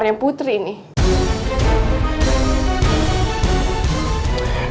kamarnya putri nih